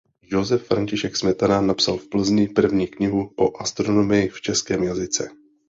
Josef František Smetana napsal v Plzni první knihu o astronomii v českém jazyce.